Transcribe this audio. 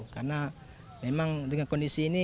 karena memang dengan kondisi ini